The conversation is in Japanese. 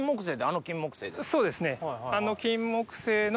そうですねあの。